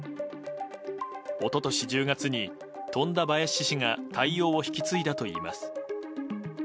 一昨年１０月に富田林市が対応を引き継いだといいます。